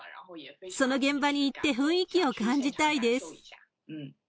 その現場に行って、雰囲気を感じたいです。